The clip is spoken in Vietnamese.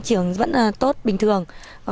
năm nay trưởng vẫn tốt bình thường